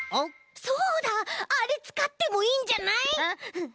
そうだあれつかってもいいんじゃない？